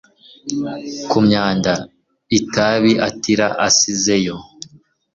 ku myanda itabi Attila yasizeyo